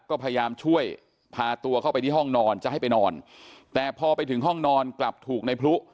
ก็พยายามช่วยพาตัวเข้าไปที่ห้องนอนจะให้ไปนอนแต่พอไปถึงห้องนอนกลับถูกในพลุ